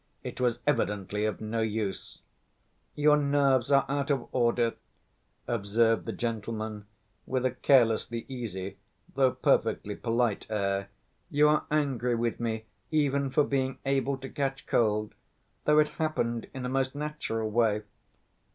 It was evidently of no use. "Your nerves are out of order," observed the gentleman, with a carelessly easy, though perfectly polite, air. "You are angry with me even for being able to catch cold, though it happened in a most natural way.